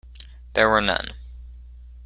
There were none.